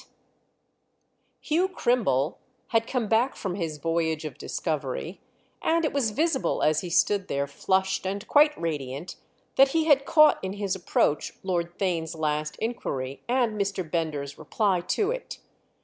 VIII Hugh Crimble had come back from his voyage of discovery, and it was visible as he stood there flushed and quite radiant that he had caught in his approach Lord Theign's last inquiry and Mr. Bender's reply to it.